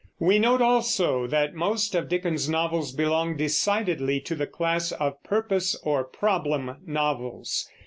We note also that most of Dickens's novels belong decidely to the class of purpose or problem novels.